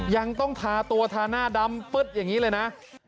ยังต้องทาตัวทาหน้าดำปึ๊ดอย่างนี้เลยนะ